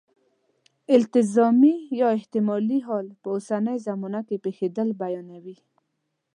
التزامي یا احتمالي حال په اوسنۍ زمانه کې پېښېدل بیانوي.